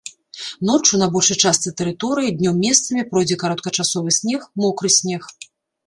Ноччу на большай частцы тэрыторыі, днём месцамі пройдзе кароткачасовы снег, мокры снег.